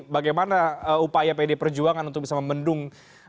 bagaimana upaya pdi perjuangan untuk bisa membendung